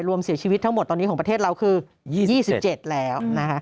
รวมเสียชีวิตทั้งหมดตอนนี้ของประเทศเราคือ๒๗แล้วนะคะ